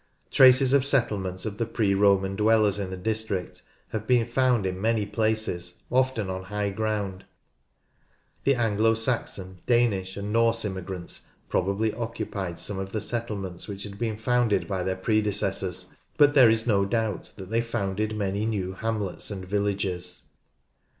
Traces of settlements of the pre Roman dwellers in the district have been found in many places, often on high ground. The Anglo Saxon, Danish, and Norse immigrants probably occupied some of the settlements which had been founded by their predecessors, but there is no doubt that they founded many new hamlets and villages.